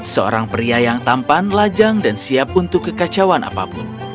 seorang pria yang tampan lajang dan siap untuk kekacauan apapun